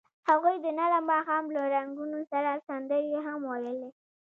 هغوی د نرم ماښام له رنګونو سره سندرې هم ویلې.